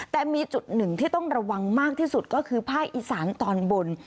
แต่มีจุดหนึ่งที่ต้องระวังมากที่สุดก็คือภาคอีสานตอนบน